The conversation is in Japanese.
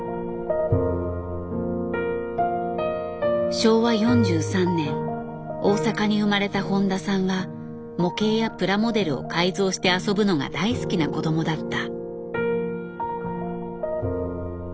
昭和４３年大阪に生まれた誉田さんは模型やプラモデルを改造して遊ぶのが大好きな子供だった。